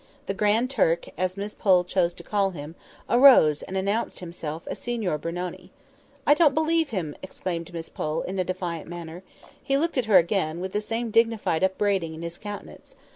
The Grand Turk, as Miss Pole chose to call him, arose and announced himself as Signor Brunoni. "I don't believe him!" exclaimed Miss Pole, in a defiant manner. He looked at her again, with the same dignified upbraiding in his countenance.